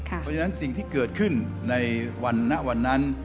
เพราะฉะนั้นสิ่งที่เกิดขึ้นในวันนั้น